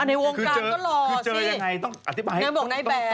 อันในวงการก็หล่อแน่นอน